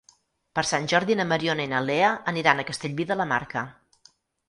Per Sant Jordi na Mariona i na Lea aniran a Castellví de la Marca.